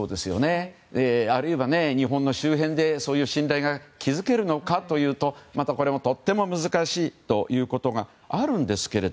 あるいは、日本の周辺でそういう信頼が築けるのかというとまた、これもとても難しいということがあるんですが。